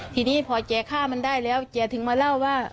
ทีนี้พอแกฆ่ามันได้แล้วแกถึงมาเล่าว่า